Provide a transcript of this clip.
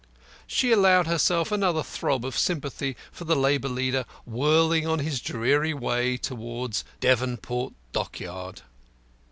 She allowed herself another throb of sympathy for the labour leader whirling on his dreary way towards Devonport Dockyard.